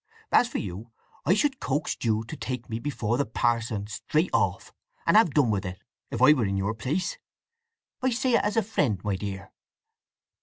… As for you, I should coax Jude to take me before the parson straight off, and have done with it, if I were in your place. I say it as a friend, my dear."